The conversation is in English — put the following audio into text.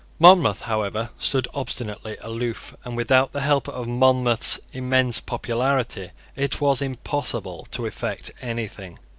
Monmouth, however, stood obstinately aloof; and, without the help of Monmouth's immense popularity, it was impossible to effect anything.